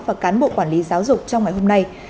và cán bộ quản lý giáo dục trong ngày hôm nay